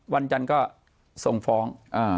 วันจันทร์ก็ส่งฟ้อง